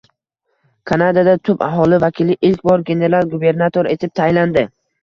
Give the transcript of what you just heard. Kanadada tub aholi vakili ilk bor general-gubernator etib tayinlandi